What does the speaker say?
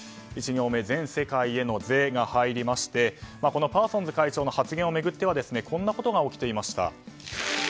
１行目、全世界への「ゼ」が入りましてパーソンズ会長の発言を巡ってはこんなことが起きていました。